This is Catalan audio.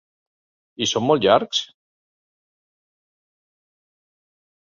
I són molt llargs?